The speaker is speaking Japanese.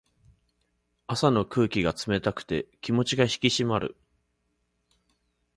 朝の空気が冷たくて気持ちが引き締まる。